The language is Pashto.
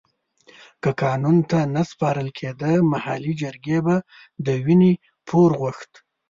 که قانون ته نه سپارل کېده محلي جرګې به د وينې پور غوښت.